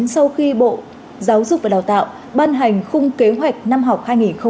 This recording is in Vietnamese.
sau khi bộ giáo dục và đào tạo ban hành khung kế hoạch năm học hai nghìn hai mươi hai nghìn hai mươi một